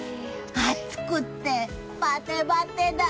暑くてバテバテだ。